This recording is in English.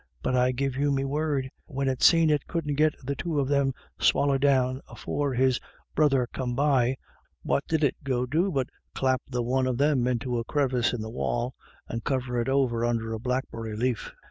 But I give you me word, when it seen it couldn't get the two of them swal lied down afore its brother come by, what did it go do but clap the one of them into a crevice in the wall, and cover it under a blackberry laif.